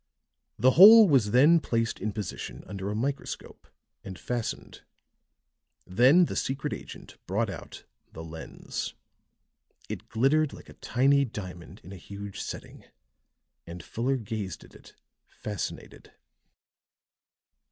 The whole was then placed in position under a microscope and fastened. Then the secret agent brought out the lens. It glittered like a tiny diamond in a huge setting, and Fuller gazed at it fascinated.